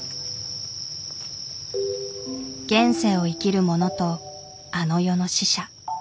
現世を生きる者とあの世の死者。